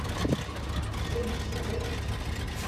Dayen tfukkem?